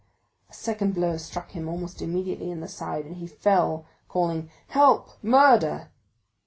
A second blow struck him almost immediately in the side, and he fell, calling, "Help, murder!"